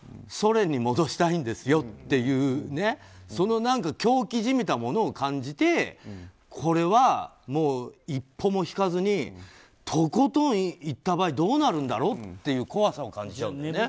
ソ連に戻したいんですよっていうその狂気じみたものを感じてこれはもう一歩も引かずにとことんいった場合どうなるんだろうっていう怖さを感じちゃうんだよね。